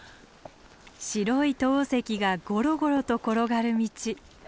白い陶石がゴロゴロと転がる道。